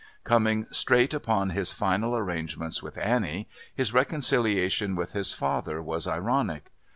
Coming straight upon his final arrangements with Annie, his reconciliation with his father was ironic.